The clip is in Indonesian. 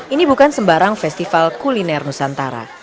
ini bukan sembarang festival kuliner nusantara